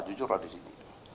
jujur lah di sini